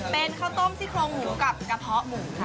เป็นข้าวต้มซี่โครงหมูกับกระเพาะหมูค่ะ